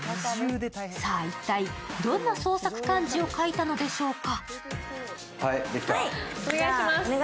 さあ、一体どんな創作漢字を書いたのでしょうか？